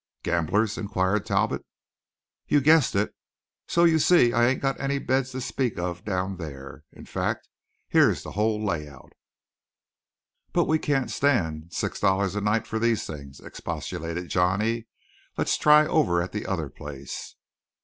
"Gamblers?" inquired Talbot. "You've guessed it. So you see I ain't got any beds to speak of down there. In fact, here's the whole layout." "But we can't stand six dollars a night for these things," expostulated Johnny. "Let's try over at the other place."